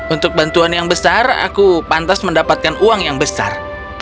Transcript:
untuk bantuan yang besar aku pantas mendapatkan uang yang besar